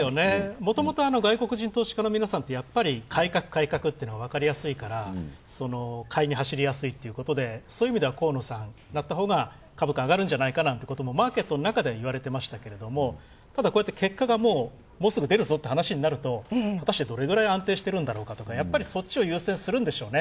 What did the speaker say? もともと外国人投資家の皆さんって、やっぱり改革っていうのが分かりやすいから、買いに走りやすいということでそういう意味では河野さんがなったほうが株価が上がるんじゃないかということもマーケットの中ではいわれてましたけども結果がもうすぐ出るぞっていう話になると果たしてどれぐらい安定してるんだろうかということとか、そちらを優先するんでしょうね。